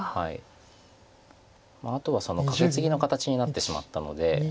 あとはカケツギの形になってしまったので。